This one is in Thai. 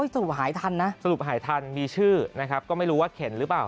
สรุปหายทันนะสรุปหายทันมีชื่อนะครับก็ไม่รู้ว่าเข็นหรือเปล่า